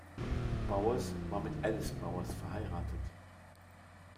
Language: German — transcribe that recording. Bowers war mit Alice Bowers verheiratet.